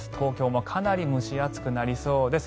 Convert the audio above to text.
東京もかなり蒸し暑くなりそうです。